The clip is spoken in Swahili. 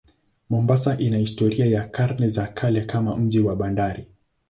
Mombasa ina historia ya karne za kale kama mji wa bandari.